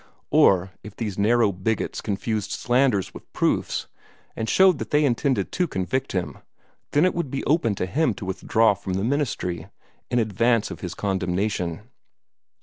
Or if these narrow bigots confused slanders with proofs, and showed that they intended to convict him, then it would be open to him to withdraw from the ministry, in advance of his condemnation.